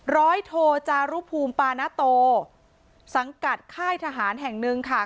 ร้อยโทจารุภูมิปานาโตสังกัดค่ายทหารแห่งหนึ่งค่ะ